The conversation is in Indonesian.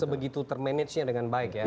sebegitu ter managenya dengan baik ya